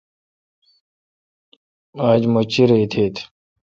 آج مہ چیرہ ایتیتھ ۔